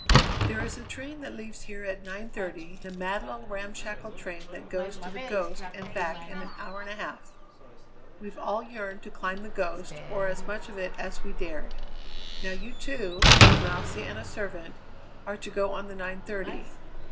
"There is a train that leaves here at nine thirty, a mad little ramshackle train that goes to The Ghost and back in an hour and a half. We've all yearned to climb The Ghost, or as much of it as we dared. Now you two, with Mousey and a servant, are to go on the nine thirty.